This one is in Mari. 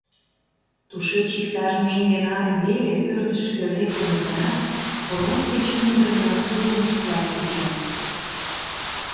Тушеч иктаж меҥге наре веле ӧрдыжкӧ лектыныт гынат, фронт деч мӱндырнӧ улмыштла чучын.